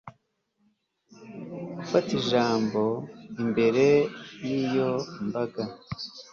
gufata ijambo imbere y'iyo mbaga